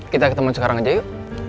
kita ketemu sekarang aja yuk